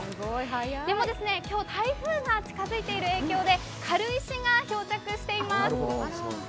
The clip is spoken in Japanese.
でも、今日、台風が近づいている影響で軽石が漂着しています。